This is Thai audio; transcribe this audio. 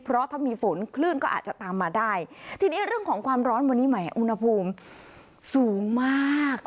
เพราะถ้ามีฝนคลื่นก็อาจจะตามมาได้ทีนี้เรื่องของความร้อนวันนี้แหมอุณหภูมิสูงมาก